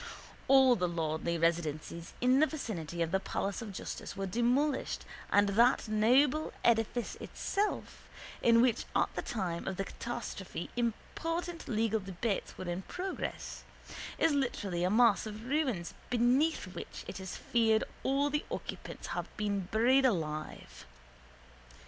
All the lordly residences in the vicinity of the palace of justice were demolished and that noble edifice itself, in which at the time of the catastrophe important legal debates were in progress, is literally a mass of ruins beneath which it is to be feared all the occupants have been buried alive.